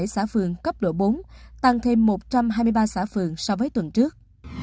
ba trăm sáu mươi bảy xã phường cấp độ bốn tăng thêm một trăm hai mươi ba xã phường so với tuần trước